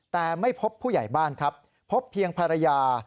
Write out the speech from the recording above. แต่ไม่พบผู้ใหญ่บ้านครับพบเพียงภรรยา